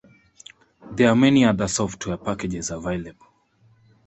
There are many other software packages available.